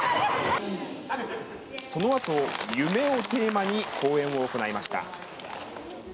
そのあと「夢」をテーマに講演を行いました。